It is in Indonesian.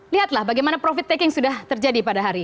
lihatlah bagaimana profit taking sudah terjadi pada hari ini